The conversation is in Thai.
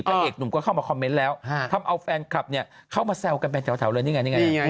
แปลกหนุ่มก็เข้ามาคอมเมนต์แล้วทำเอาแฟนคลับเข้ามาแซวกันไปแถวเลยนี่ไง